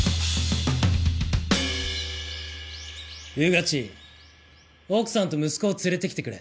穿地奥さんと息子を連れてきてくれ。